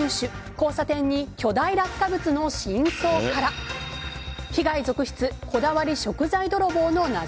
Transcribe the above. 交差点に巨大落下物の真相から被害続出こだわり食材泥棒の謎。